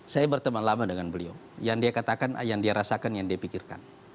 saya berteman lama dengan beliau yang dia katakan yang dia rasakan yang dia pikirkan